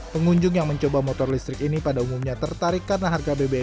pengunjung yang mencoba motor listrik ini pada umumnya tertarik karena harga bbm